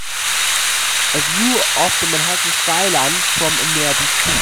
A view of the Manhattan skyline from a nearby street.